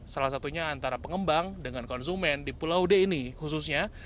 salah satunya antara pengembang dengan konsumen di pulau d ini khususnya